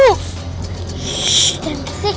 shhh jangan pusing